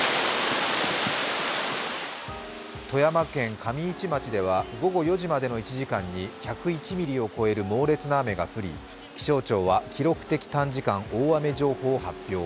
富山県上市町では午後４時までの１時間に１０１ミリを超える猛烈な雨が降り気象庁は記録的短時間大雨情報を発表。